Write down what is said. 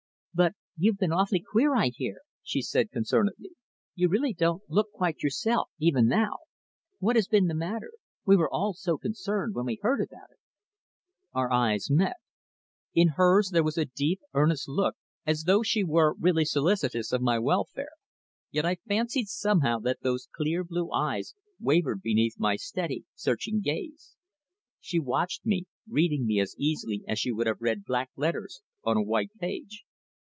"But you've been awfully queer, I hear," she said concernedly. "You really don't look quite yourself even now. What has been the matter? We were all so concerned when we heard about it." Our eyes met. In hers there was a deep, earnest look as though she were really solicitous of my welfare, yet I fancied somehow that those clear blue eyes wavered beneath my steady, searching glance. She watched me, reading me as easily as she would have read black letters on a white page.